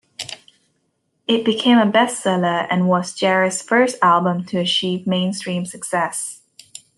It became a bestseller and was Jarre's first album to achieve mainstream success.